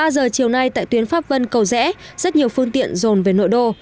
ba giờ chiều nay tại tuyến pháp vân cầu rẽ rất nhiều phương tiện dồn về nội đô